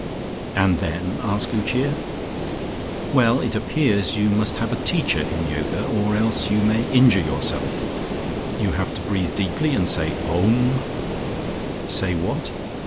"And then?" asked Lucia. "Well, it appears you must have a teacher in Yoga or else you may injure yourself. You have to breathe deeply and say 'Om' " "Say what?"